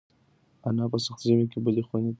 انا په سخت ژمي کې بلې خونې ته کډه وکړه.